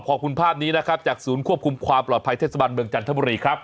ขอบคุณภาพนี้นะครับจากศูนย์ควบคุมความปลอดภัยเทศบันเมืองจันทบุรีครับ